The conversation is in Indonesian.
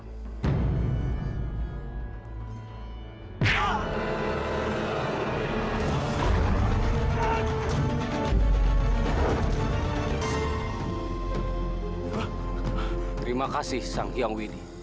terima kasih sang hyang widi